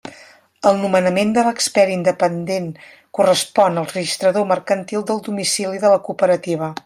El nomenament de l'expert independent correspon al registrador mercantil del domicili de la cooperativa.